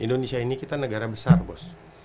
indonesia ini kita negara besar bos